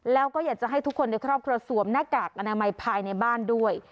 แล้วก็อยากจะให้ทุกคนในครอบครัวสวมหน้ากากอนามัยภายในบ้านด้วย